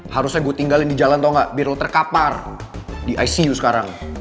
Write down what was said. harusnya gue tinggalin di jalan atau enggak biar lo terkapar di icu sekarang